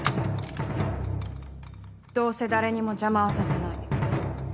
どうせ誰にも邪魔はさせない。